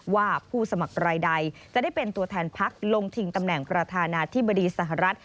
ว่าผู้สมัครรายใดจะได้เป็นตัวแทนพักลงชิงตำแหน่งประธานาธิบดีสหรัฐ